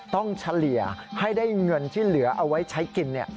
เฉลี่ยให้ได้เงินที่เหลือเอาไว้ใช้กิน